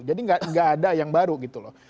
jadi enggak ada yang baru gitu loh